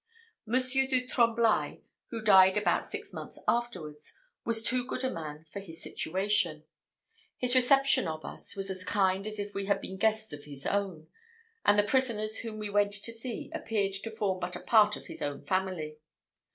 Monsieur du Tremblai, who died about six months afterwards, was too good a man for his situation; his reception of us was as kind as if we had been guests of his own; and the prisoners whom we went to see appeared to form but a part of his own family.